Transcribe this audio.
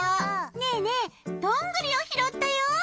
ねえねえどんぐりをひろったよ。